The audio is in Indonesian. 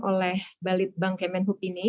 oleh balit bank kemenhub ini